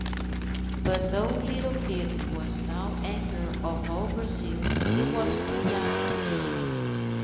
But though little Pedro was now Emperor of all Brazil, he was too young to rule.